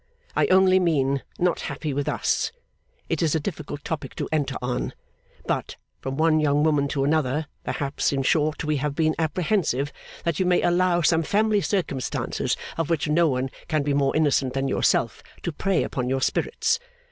'I only mean, not happy with us. It is a difficult topic to enter on; but, from one young woman to another, perhaps in short, we have been apprehensive that you may allow some family circumstances of which no one can be more innocent than yourself, to prey upon your spirits.